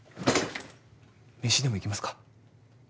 飯でも行きますか？